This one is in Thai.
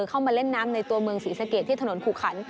เข้ามาเล่นน้ำในตัวเมืองศรีสะเกดที่ถนนขู่ขัน